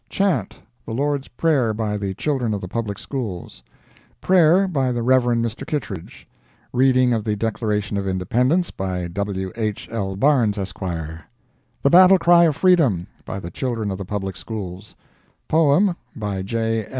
Chant, the Lord's Prayer, by the Children of the Public Schools. Prayer, by the Rev. Mr. Kittredge. Reading of the Declaration of Independence, by W. H. L. Barnes, Esq. "The Battle Cry of Freedom," by the Children of the Public Schools. Poem, by J.